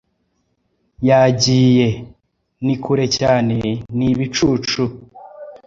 yagiye; ni kure cyane ni ibicucu